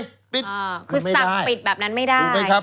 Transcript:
คือสั่งปิดแบบนั้นไม่ได้